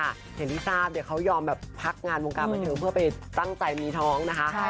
อย่างที่ทราบเนี่ยเขายอมแบบพักงานวงการบันเทิงเพื่อไปตั้งใจมีท้องนะคะ